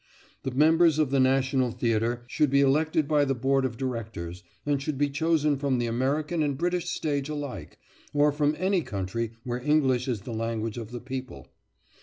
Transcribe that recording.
The members of the national theatre should be elected by the board of directors, and should be chosen from the American and British stage alike, or from any country where English is the language of the people.